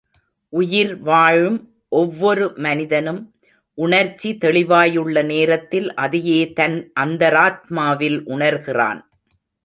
உயிர் வாழும் ஒவ்வொரு மனிதனும், உணர்ச்சி தெளிவாயுள்ள நேரத்தில், அதையே தன் அந்தராத்மாவில் உணர்கிறான்.